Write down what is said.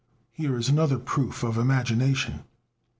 Here is another proof of "imagination."